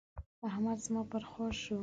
احمد زما پر خوا شو.